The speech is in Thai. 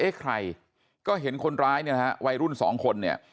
ใครก็เห็นคนร้ายเนี่ยนะฮะวัยรุ่นสองคนเนี่ย